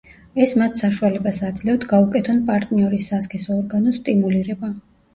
ეს მათ საშუალებას აძლევთ გაუკეთონ პარტნიორის სასქესო ორგანოს სტიმულირება.